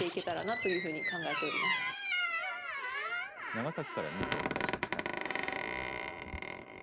長崎からニュースをお伝えしました。